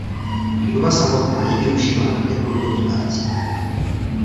Budova samotná je využívána ke kulturním akcím.